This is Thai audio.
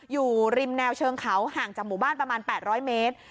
อยู่ริมแนวเชิงเขาห่างจากหมู่บ้านประมาณ๘๐๐เมตร